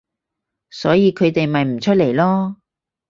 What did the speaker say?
所以佢哋咪唔出嚟囉